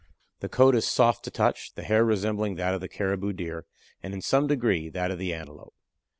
The coat is soft to the touch, the hair resembling that of the Caribou Deer, and, in some degree, that of the Antelope.